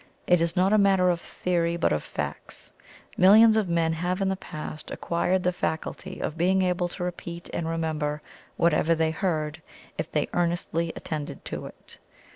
It is not a matter of theory but of facts. Millions of men have in the past acquired the faculty of being able to repeat and remember whatever they heard, if they earnestly attended to it.